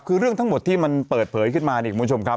คือเรื่องทั้งหมดที่มันเปิดเผยขึ้นมาเนี่ยคุณผู้ชมครับ